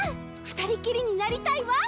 二人っきりになりたいわ。